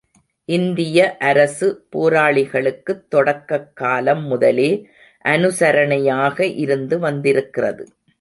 இந்திய அரசு போராளிகளுக்குத் தொடக்கக் காலம் முதலே அனுசரணையாக இருந்து வந்திருக்கிறது.